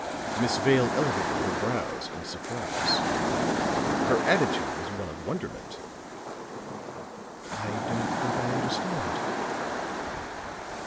Miss Vale elevated her brows in surprise; her attitude was one of wonderment. "I don't think I understand."